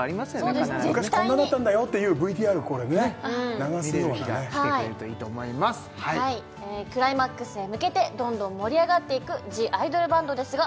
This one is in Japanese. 必ずね昔こんなだったんだよっていうＶＴＲこれね流すようなね見れる日がきてくれるといいと思いますクライマックスへ向けてどんどん盛り上がっていく「ＴＨＥＩＤＯＬＢＡＮＤ」ですが